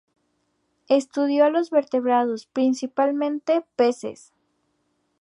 Estudió los vertebrados, principalmente peces.